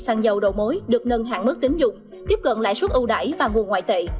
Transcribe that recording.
xăng dầu đầu mối được nâng hạn mức tính dụng tiếp cận lãi suất ưu đải và nguồn ngoại tệ